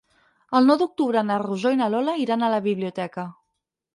El nou d'octubre na Rosó i na Lola iran a la biblioteca.